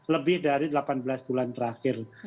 lebih dari delapan belas bulan terakhir